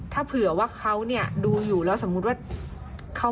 ถ้าเผื่อว่าเขาเนี่ยดูอยู่แล้วสมมุติว่า